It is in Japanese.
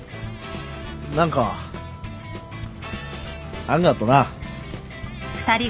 何かあんがとな。